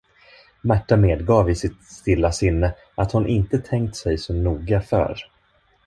Märta medgav i sitt stilla sinne att hon inte tänkt sig så noga för.